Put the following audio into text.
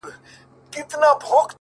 دا نو ژوند سو درد یې پرېږده او یار باسه؛